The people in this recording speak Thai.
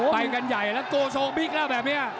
ไปกันใหญ่แล้วโกโซบิ๊กแล้วแบบนี้